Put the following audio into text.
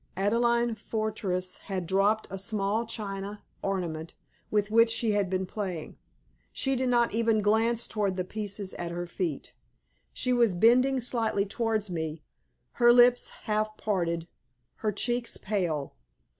Adelaide Fortress had dropped a small china ornament with which she had been playing. She did not even glance towards the pieces at her feet. She was bending slightly towards me, her lips half parted, her cheeks pale.